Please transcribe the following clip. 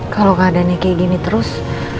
kalau keadaannya kayak gini terus